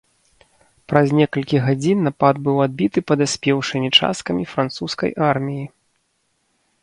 Праз некалькі гадзін напад быў адбіты падаспеўшымі часткамі французскай арміі.